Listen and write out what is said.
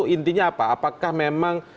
intinya apa apakah memang